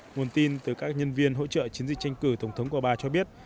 nguồn tin từ các nhân viên hỗ trợ chiến dịch tranh cử tổng thống của bà cho biết